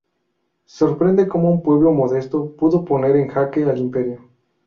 Sorprende como un pueblo modesto pudo poner en jaque al imperio.